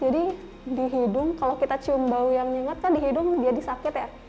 jadi di hidung kalau kita cium bau yang menyengat kan di hidung jadi sakit ya